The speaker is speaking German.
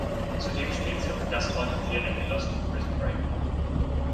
Zudem spielt sie oft Gastrollen in Serien wie "Lost" und "Prison Break".